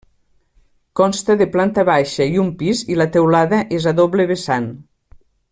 Consta de planta baixa i un pis i la teulada és a doble vessant.